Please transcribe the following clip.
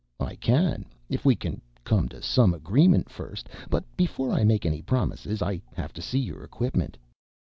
"I can if we can come to an agreement first. But before I make any promises I have to see your equipment."